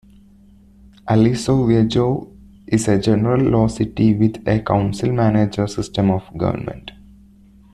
Aliso Viejo is a general law city with a council-manager system of government.